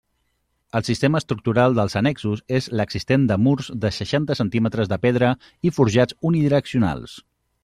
El sistema estructural dels annexos és l'existent de murs de seixanta centímetres de pedra i forjats unidireccionals.